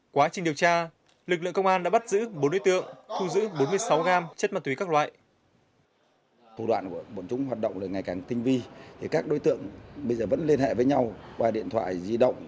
quá trình điều tra lực lượng công an đã bắt giữ bốn đối tượng thu giữ bốn mươi sáu gram chất ma túy các loại